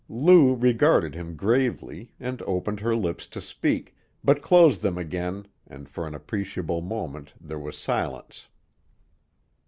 Lou regarded him gravely, and opened her lips to speak, but closed them again and for an appreciable moment there was silence.